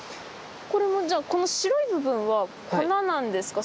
これもじゃあこの白い部分は粉なんですか？